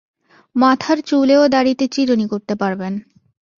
মাথার চুলে ও দাড়িতে চিরুনি করতে পারবেন।